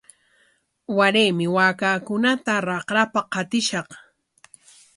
Waraymi waakakunata raqrapa qatishaq.